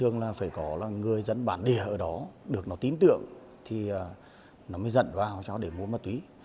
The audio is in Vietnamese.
người dân bản địa ở đó được nó tím tượng thì nó mới dẫn vào cho để mua ma túy